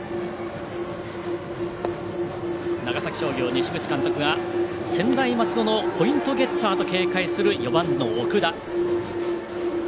長崎商業、西口監督が専大松戸のポイントゲッターと警戒する４番の奥田。